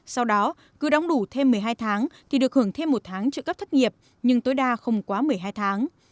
sau đó cứ đóng đủ thêm một mươi hai tháng thì được hưởng thêm một tháng trợ cấp thất nghiệp nhưng tối đa không quá một mươi hai tháng